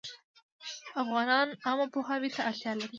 افغانان عامه پوهاوي ته اړتیا لري